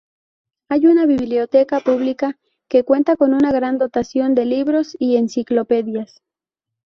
Hay una biblioteca pública que cuenta con una gran dotación de libros y enciclopedias.